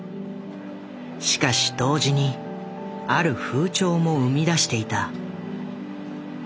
しかし同時にある風潮も生み出していた。